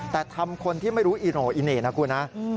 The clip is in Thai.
แต่ทำคนที่ไม่รู้อีโหน่ะอีหน่ะนะครับ